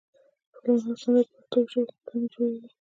فلمونه او سندرې په پښتو کمې جوړېږي.